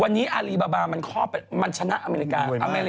วันนี้อารีบาบามันชนะอเมริกา